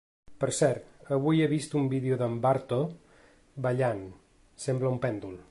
Per cert, avui he vist un vídeo d’en ‘Barto’ ballant, sembla un pèndol.